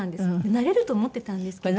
なれると思ってたんですけど。